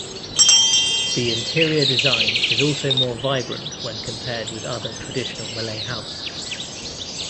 The interior design is also more vibrant when compared with other traditional Malay house.